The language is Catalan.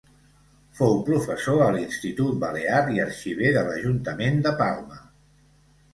Fou professor a l'Institut Balear i arxiver de l'Ajuntament de Palma.